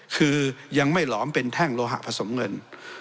คือยังไม่หลอมเป็นแท่งโลหะผสมเงิน